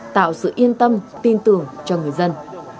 tạo sự yên tâm tin tưởng cho người dân